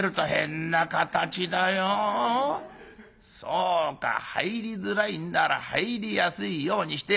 そうか入りづらいんなら入りやすいようにしてやろう。